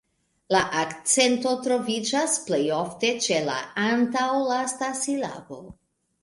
La akcento troviĝas plej ofte ĉe la antaŭlasta silabo.